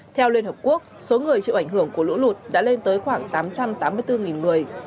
theo liên hợp quốc số người chịu ảnh hưởng của lũ lụt đã lên tới khoảng tám trăm tám mươi bốn người